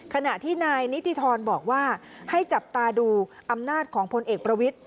ขณะที่นายนิติธรบอกว่าให้จับตาดูอำนาจของพลเอกประวิทธิ